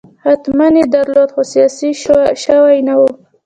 حتماً یې درلود خو سیاسي شوی نه و.